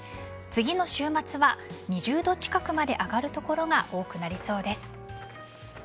次の週末は２０度近くまで上がる所が多くなりそうです。